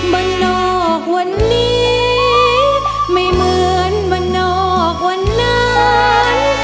บรรนอกวันนี้ไม่เหมือนบรรนอกวันนั้น